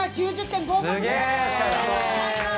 おめでとうございます！